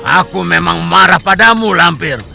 aku memang marah padamu lampir